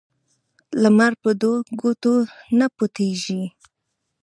لمر په دوو ګوتو نه پټېږي